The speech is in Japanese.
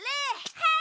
はい！